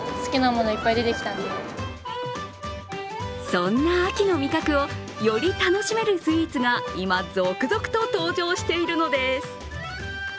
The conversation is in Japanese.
そんな秋の味覚をより楽しめるスイーツが今、続々と登場しているのです。